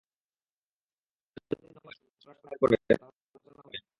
তারা যদি নমনীয় হয়, সন্ত্রাস পরিহার করে, তাহলে আলোচনা হতে পারে।